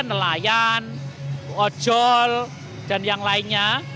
nelayan ojol dan yang lainnya